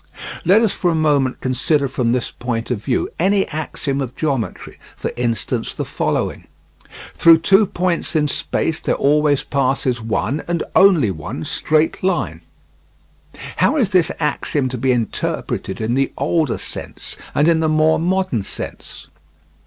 Let us for a moment consider from this point of view any axiom of geometry, for instance, the following: Through two points in space there always passes one and only one straight line. How is this axiom to be interpreted in the older sense and in the more modern sense?